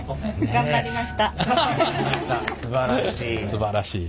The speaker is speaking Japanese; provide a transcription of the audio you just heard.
すばらしい。